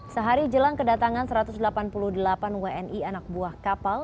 sehari jelang kedatangan satu ratus delapan puluh delapan wni anak buah kapal